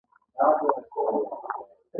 د زابل په اتغر کې څه شی شته؟